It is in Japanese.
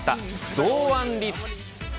堂安律。